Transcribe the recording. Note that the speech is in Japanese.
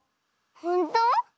ほんと？